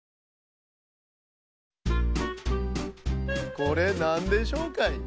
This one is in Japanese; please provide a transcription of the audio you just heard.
これなんでしょうかい？